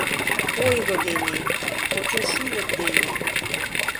Ойго дене, кочо шӱлык дене